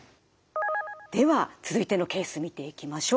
では続いてのケース見ていきましょう。